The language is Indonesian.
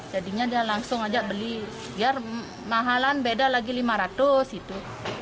jadinya dia langsung ajak beli biar mahalan beda lagi lima ratus gitu